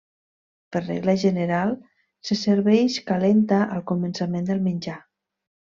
Per regla general se serveix calenta al començament del menjar.